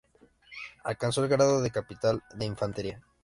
Alcanzó el grado de capitán de infantería.